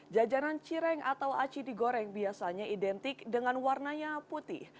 jajanan cireng atau aci digoreng biasanya identik dengan warnanya putih